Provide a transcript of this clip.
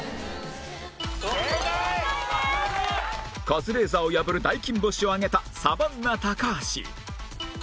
カズレーザーを破る大金星を挙げたサバンナ高橋